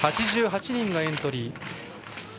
８８人がエントリー。